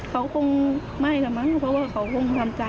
เขาคงไม่แล้วมั้งเพราะว่าเขาคงทำใจ